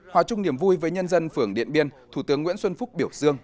hòa chung niềm vui với nhân dân phường điện biên thủ tướng nguyễn xuân phúc biểu dương